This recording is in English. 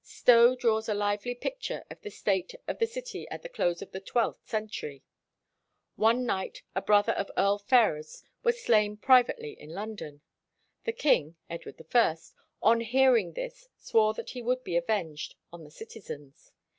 Stowe draws a lively picture of the state of the city at the close of the twelfth century. One night a brother of Earl Ferrers was slain privately in London. The king (Edward I) on hearing this "swore that he would be avenged on the citizens."